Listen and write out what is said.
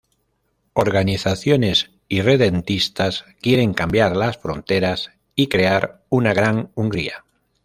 Organizaciones irredentistas quieren cambiar las fronteras y crear una Gran Hungría.